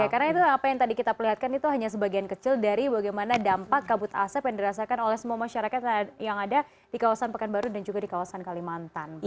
karena itu apa yang tadi kita perlihatkan itu hanya sebagian kecil dari bagaimana dampak kabut asap yang dirasakan oleh semua masyarakat yang ada di kawasan pekanbaru dan juga di kawasan kalimantan